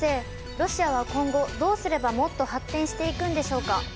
ロシアは今後どうすればもっと発展していくんでしょうか？